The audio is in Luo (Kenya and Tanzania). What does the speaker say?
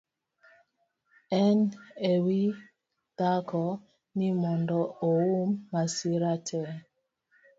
En e wii dhako ni mondo oum masira tee